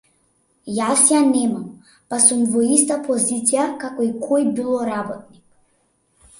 Јас ја немам, па сум во иста позиција како и кој било работник.